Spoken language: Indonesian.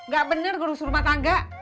gak bener guru surma tangga